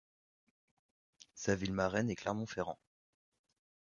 Sa ville marraine est Clermont-Ferrand.